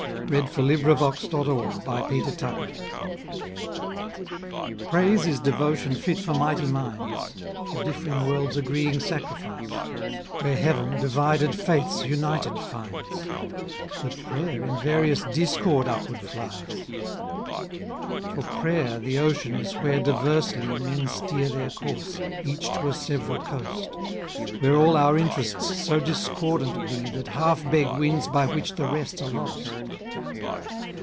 1606–1668 303. Praise and Prayer PRAISE is devotion fit for mighty minds, The diff'ring world's agreeing sacrifice; Where Heaven divided faiths united finds: But Prayer in various discord upward flies. For Prayer the ocean is where diversely 5 Men steer their course, each to a sev'ral coast; Where all our interests so discordant be That half beg winds by which the rest are lost.